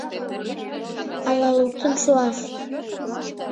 Ала луктын шуаш?..